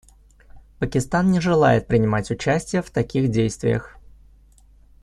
Пакистан не желает принимать участие в таких действиях.